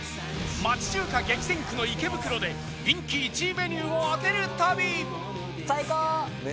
町中華激戦区の池袋で人気１位メニューを当てる旅